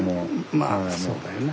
まあそうだよな。